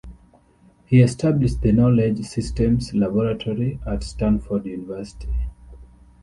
He established the Knowledge Systems Laboratory at Stanford University.